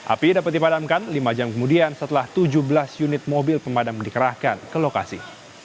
api dapat dipadamkan lima jam kemudian setelah tujuh belas unit mobil pemadam dikerahkan ke lokasi